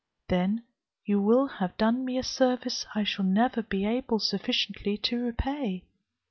Then you will have done me a service I shall never be able sufficiently to repay."